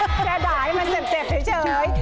แค่ด่าให้มันเจ็บเฉย